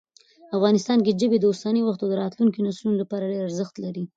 افغانستان کې ژبې د اوسني وخت او راتلونکي نسلونو لپاره ډېر ارزښت لري.